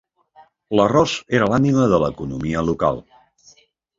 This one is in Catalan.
L’arròs era l’ànima de l’economia local.